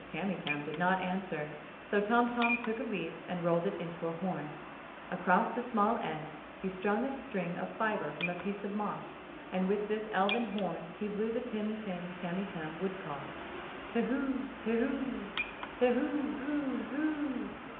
Tamytam did not answer, so Tom Tom took a leaf and rolled it into a horn. Across the small end he strung a fibre from a piece of moss and with this elfin horn he blew the Tim Tim Tamytam wood call: "Tahoo Tahoo Tahoo hoo hoo!"